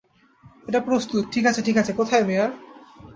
এটা প্রস্তুত, - ঠিক আছে ঠিক আছে, কোথায় মেয়ার?